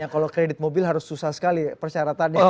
kalau kredit mobil harus susah sekali persyaratannya